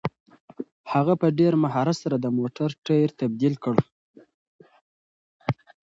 هغه په ډېر مهارت سره د موټر ټایر تبدیل کړ.